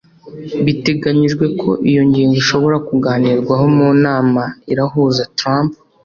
Biteganyijwe ko iyo ngingo ishobora kuganirwaho mu nama irahuza Trump